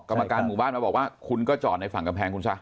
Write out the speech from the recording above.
กรรมการหมู่บ้านมาบอกว่าคุณก็จอดในฝั่งกำแพงคุณซะ